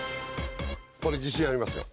これ自信ありますよ。